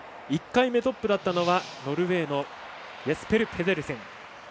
１回目、トップだったのはノルウェーのペデルセン。